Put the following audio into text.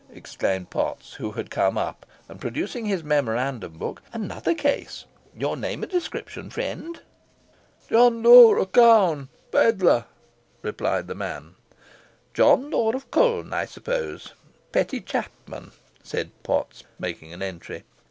exclaimed Potts, who had come up, and producing his memorandum book. "Another case. Your name and description, friend?" "John Law o' Cown, pedlar," replied the man. "John Law of Colne, I suppose, petty chapman," said Potts, making an entry.